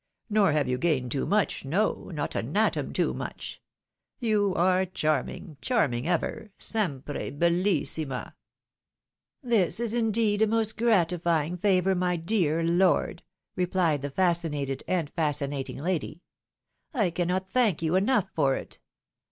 Nor have you gained too much, no, not an atom too much ! Tou are charming, charming, ever! sempre bellissima!" " This is, indeed, a most gratifying favour, my dear lord !" Replied the fascinated and fascinating lady ;" I cannot thank you enough for it